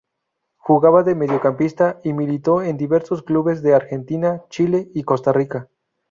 Jugaba de mediocampista y militó en diversos clubes de Argentina, Chile y Costa Rica.